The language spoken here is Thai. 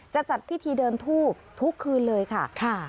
จะจัดพิธีเดินทูบทุกคืนเลยค่ะ